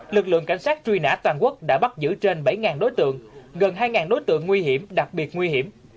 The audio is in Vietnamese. lực lượng cảnh sát truy nã toàn quốc đã bắt giữ trên bảy đối tượng gần hai đối tượng nguy hiểm đặc biệt nguy hiểm